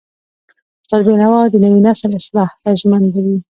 استاد بینوا د نوي نسل اصلاح ته ژمن و.